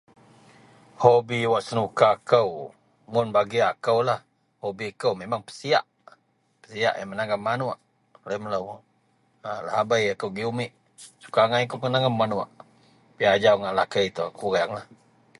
Hobi wak senuka kou mun bagi akoulah hobi kou memeng pesiyak, Pesiyak iyen manangub manuok laei melo lahabei akou agei umit suka angai akou menangub manuok tapi ajau ngak lakei kureang lah.